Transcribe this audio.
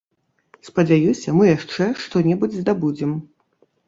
Спадзяюся, мы яшчэ што-небудзь здабудзем.